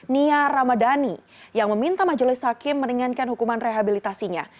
nia ramadhani yang meminta majelis hakim meringankan hukuman rehabilitasinya